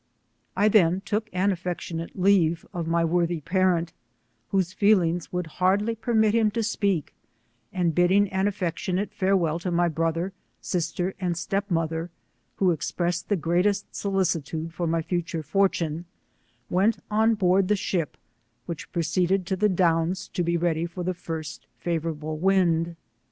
I then took an affectionate leave of my worthy parent, whose feelings, would hardly permit him to speak, and bidding an alTectionatc farewell to my brother, sister, and step mother, who expressed the greatest solicitude for my fu ture fortune, went on board the ship, which proceeded to the Downs, to be ready for the first favourable wind.